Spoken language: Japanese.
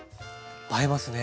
映えますね！